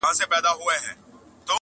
سپوږمۍ مو لاري څاري پیغامونه تښتوي!